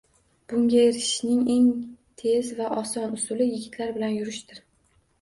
Bunga erishishning eng tez va oson usuli – yigitlar bilan yurishdir.